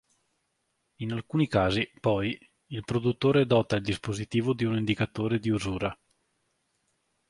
In alcuni casi, poi, il produttore dota il dispositivo di un indicatore di usura.